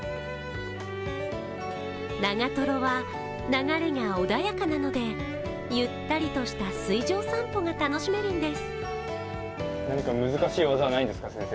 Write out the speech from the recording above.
長瀞は流れが穏やかなのでゆったりとした水上散歩が楽しめるんです。